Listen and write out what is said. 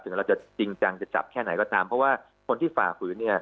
เราจะจริงจังจะจับแค่ไหนก็ตามเพราะว่าคนที่ฝ่าฝืนเนี่ย